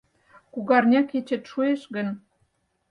Кугарня кечет шуэш гын